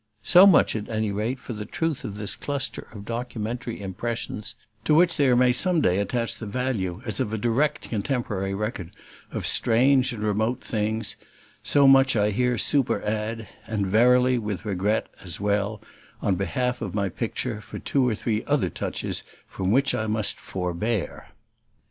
So much, at any rate, for the truth of this cluster of documentary impressions, to which there may some day attach the value as of a direct contemporary record of strange and remote things, so much I here super add; and verily with regret, as well, on behalf of my picture, for two or three other touches from which I must forbear.